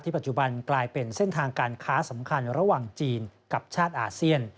ปัจจุบันกลายเป็นเส้นทางการค้าสำคัญระหว่างจีนกับชาติอาเซียน